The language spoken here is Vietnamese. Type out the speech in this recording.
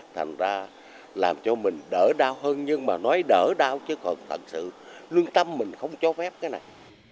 thành ra làm cho mình đỡ đau hơn nhưng mà nói đỡ đau chứ còn thật sự lương tâm mình không cho phép cái này